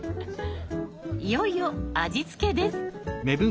いよいよ味付けです。